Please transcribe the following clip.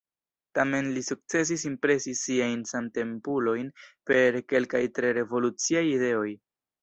Tamen li sukcesis impresi siajn samtempulojn per kelkaj tre revoluciaj ideoj.